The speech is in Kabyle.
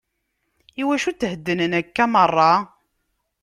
Iwacu theddnen akka merra?